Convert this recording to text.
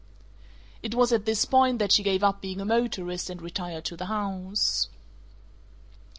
It was at this point that she gave up being a motorist and retired to the house.